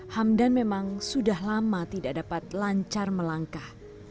hamdan memang sudah lama tidak dapat lancar melangkah